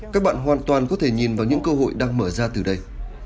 các bạn hoàn toàn có thể nhìn vào những cơ hội đang mở ra từ đây